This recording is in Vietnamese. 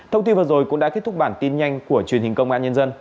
thông tin vừa rồi cũng đã kết thúc bản tin nhanh của truyền hình công an nhân dân